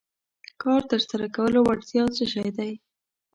کار تر سره کولو وړتیا څه شی دی.